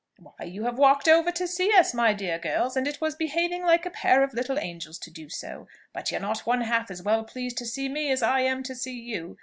"Why, you have walked over to see us, my dear girls, and it was behaving like a pair of little angels to do so; but you're not one half as well pleased to see me as I am to see you.